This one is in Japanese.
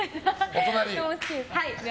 お隣。